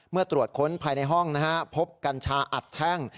ตรวจค้นภายในห้องพบกัญชาอัดแท่ง